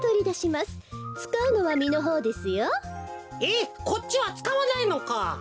えっこっちはつかわないのか。